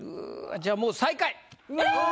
じゃあもう最下位。